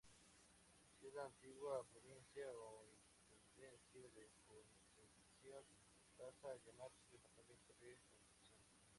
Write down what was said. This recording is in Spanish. Así la antigua Provincia o Intendencia de Concepción, pasa a llamarse Departamento de Concepción.